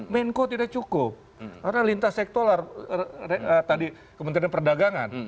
menko tidak cukup karena lintas sektoral tadi kementerian perdagangan